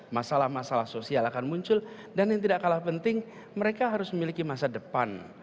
masalah masalah sosial akan muncul dan yang tidak kalah penting mereka harus memiliki masa depan